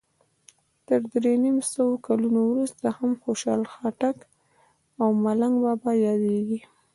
تر درې نیم سوو کلونو وروسته هم خوشال خټک او ملنګ بابا یادیږي.